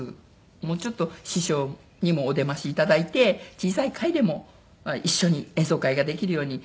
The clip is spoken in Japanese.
もうちょっと師匠にもお出ましいただいて小さい会でも一緒に演奏会ができるように。